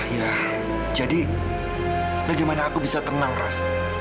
ya jadi bagaimana aku bisa tenang ras